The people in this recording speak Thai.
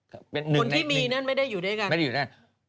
คนที่มีนั้นไม่ได้อยู่ด้วยกัน